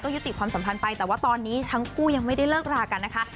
ยุติความสัมพันธ์ไปแต่ว่าตอนนี้ทั้งคู่ยังไม่ได้เลิกรากันนะคะ